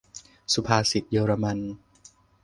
-สุภาษิตเยอรมัน